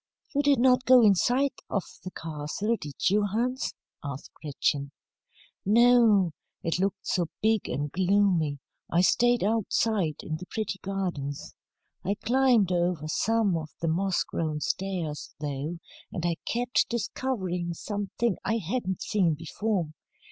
"You did not go inside of the castle, did you, Hans?" asked Gretchen. "No. It looked so big and gloomy, I stayed outside in the pretty gardens. I climbed over some of the moss grown stairs, though, and I kept discovering something I hadn't seen before.